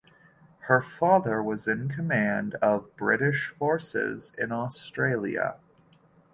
Her father was in command of the British forces in Australia.